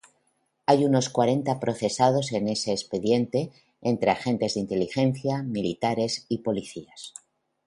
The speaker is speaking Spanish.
Hay unos cuarenta procesados en ese expediente, entre agentes de inteligencia, militares y policías.